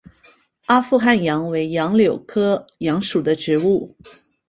阿富汗杨为杨柳科杨属的植物。